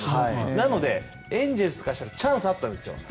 なので、エンゼルスからしたらチャンスがあったんです。